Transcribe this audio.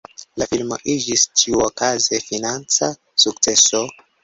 La filmo iĝis ĉiuokaze financa sukceso.